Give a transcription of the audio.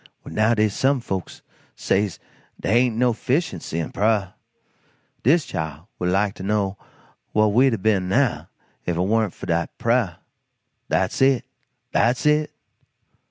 Well now dey's some folks says dey ain't no 'ficiency in prah. Dis Chile would like to know whah we'd a ben now if it warn't fo' dat prah? Dat's it. Dat's it!"